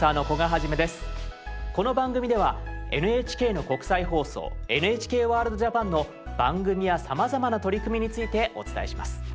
この番組ではＮＨＫの国際放送「ＮＨＫＷＯＲＬＤ−ＪＡＰＡＮ」の番組やさまざまな取り組みについてお伝えします。